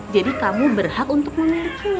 jadi kamu berhak untuk memilikinya